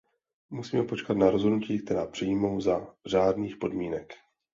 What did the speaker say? Musíme počkat na rozhodnutí, která přijmou za řádných podmínek.